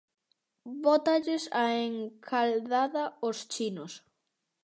Bótalles a encaldada aos chinos.